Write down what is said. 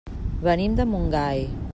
Venim de Montgai.